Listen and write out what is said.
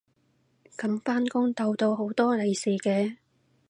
噉返工逗到好多利是嘅